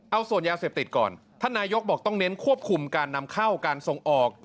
เอาส่วนยาเสพติดก่อนท่านนายกบอกต้องเน้นควบคุมการนำเข้าการส่งออก